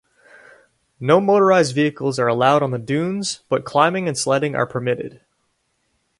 No motorized vehicles are allowed on the dunes but climbing and sledding are permitted.